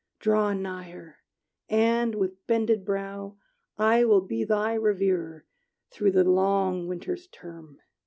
Draw nigher! And, with bended brow, I will be thy reverer Through the long winter's term!